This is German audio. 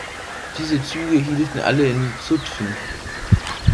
Diese Züge hielten alle in Zutphen.